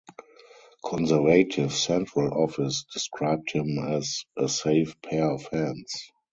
Conservative Central Office described him as "a safe pair of hands".